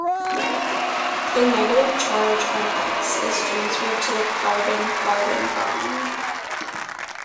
The negative charge on X is transferred to the carbon - carbon bond.